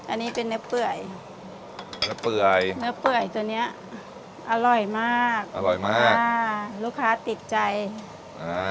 อันนี้เป็นเนื้อเปื่อยเนื้อเปื่อยเนื้อเปื่อยตัวเนี้ยอร่อยมากอร่อยมากอ่าลูกค้าติดใจอ่า